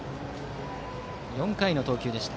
４回の投球でした。